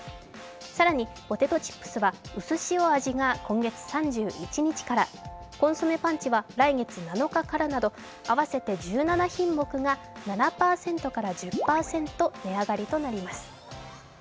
更にポテトチップスはうすしお味が今月３１日からコンソメパンチが来月７日からなど合わせて１０品目が７％から１０％値上がりとなります。